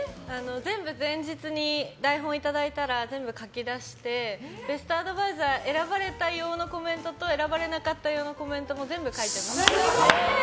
前日に台本をいただいたら全部書き出してベストアドバイザー選ばれた用のコメントと選ばれなかった用のコメントも全部書いてます。